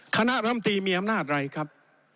คณะรำตีมีอำนาจอะไรครับ